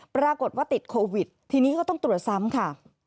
ปรากฏว่าติดโควิดทีนี้ก็ต้องตรวจซ้ำค่ะ